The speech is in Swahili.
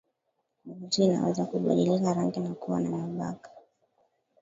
ngozi inaweza kubadilika rangi na kuwa na mabaka